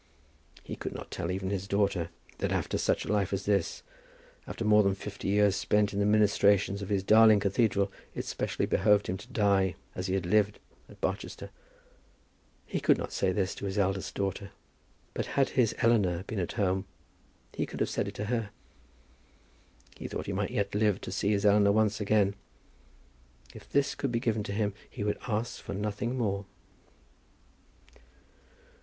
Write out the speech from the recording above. He could not tell even his daughter that after such a life as this, after more than fifty years spent in the ministrations of his darling cathedral, it specially behoved him to die, as he had lived, at Barchester. He could not say this to his eldest daughter; but had his Eleanor been at home, he could have said it to her. He thought he might yet live to see his Eleanor once again. If this could be given to him he would ask for nothing more.